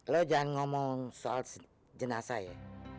lo jangan ngomong soal jenazah ya